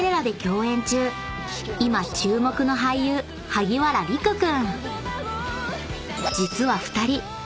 今注目の俳優萩原利久君］